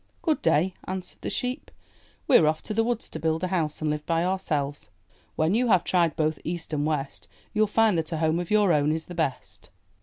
"Good day," answered the sheep. We*re off to the woods to build a house and live by ourselves. When you have tried both East and West, you*ll find that a home of your own is the best."